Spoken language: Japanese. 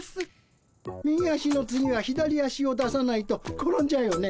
「右足の次は左足を出さないと転んじゃうよね」